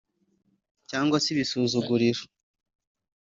cyangwa se igisuzuguriro